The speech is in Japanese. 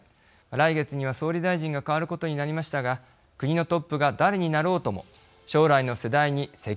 来月には総理大臣が替わることになりましたが国のトップが誰になろうとも将来の世代に責任を持つ財政運営を求めたいと思います。